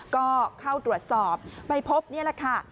ก็เข้าตรวจสอบไปพบนี่แหละค่ะ